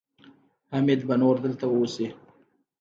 حميد به نور دلته اوسي.